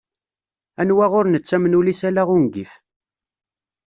Anwa ur nettamen ul-is ala ungif.